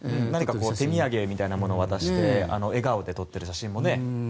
手土産みたいなものを渡して笑顔で撮っている写真もね。